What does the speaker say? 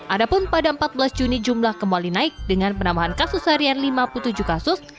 adapun pada empat belas juni jumlah kembali naik dengan penambahan kasus harian lima puluh tujuh kasus